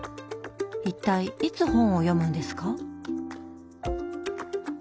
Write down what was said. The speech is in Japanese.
一体いつ本を読むんですか？